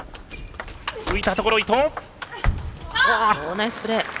ナイスプレー！